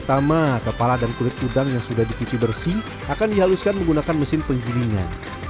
pertama kepala dan kulit udang yang sudah dicuci bersih akan dihaluskan menggunakan mesin penggilingan